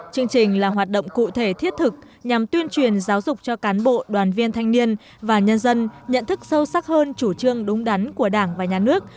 chương trình là hoạt động cụ thể thiết thực nhằm tuyên truyền giáo dục cho cán bộ đoàn viên thanh niên và nhân dân nhận thức sâu sắc hơn chủ trương đúng đắn của đảng và nhà nước